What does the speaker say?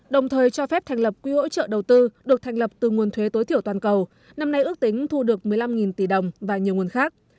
đồng thời cho phép thành lập quỹ hỗ trợ đầu tư được thành lập từ nguồn thuế tối thiểu toàn cầu năm nay ước tính thu được một mươi năm tỷ đồng và nhiều nguồn khác